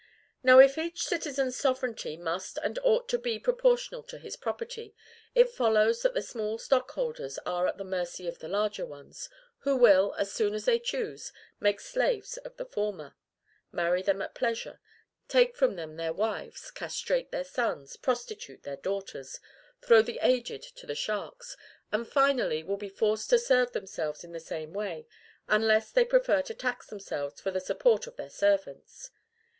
Now, if each citizen's sovereignty must and ought to be proportional to his property, it follows that the small stock holders are at the mercy of the larger ones; who will, as soon as they choose, make slaves of the former, marry them at pleasure, take from them their wives, castrate their sons, prostitute their daughters, throw the aged to the sharks, and finally will be forced to serve themselves in the same way, unless they prefer to tax themselves for the support of their servants.